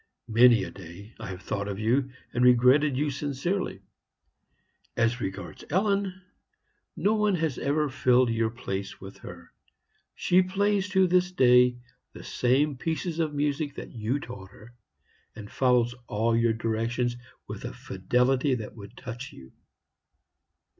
Many a day I have thought of you, and regretted you sincerely. As regards Ellen, no one has ever filled your place with her; she plays to this day the same pieces of music you taught her, and follows all your directions with a fidelity that would touch you.'